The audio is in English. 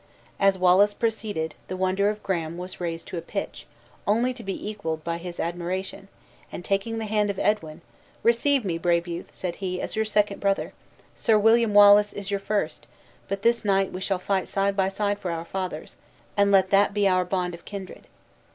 As Wallace proceeded, the wonder of Graham was raised to a pitch, only to be equaled by his admiration; and taking the hand of Edwin, "Receive me, brave youth," said he, "as your second brother; Sir William Wallace is your first; but, this night, we shall fight side by side for our fathers; and let that be our bond of kindred."